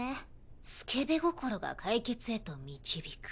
スケベ心が解決へと導く。